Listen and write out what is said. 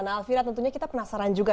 alvira tentunya kita penasaran juga ya